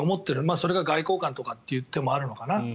それが外交官という手もあるのかな？